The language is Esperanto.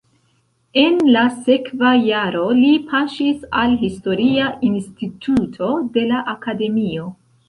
En la sekva jaro li paŝis al historia instituto de la akademio.